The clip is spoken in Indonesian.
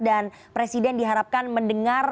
dan presiden diharapkan mendengar